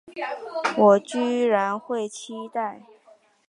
我居然会期待